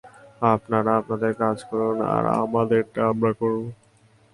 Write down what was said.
আপনারা আপনাদের কাজ করুন, আর আমাদেরটা আমরা করবো।